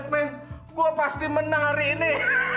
weh gue pasti menang hari ini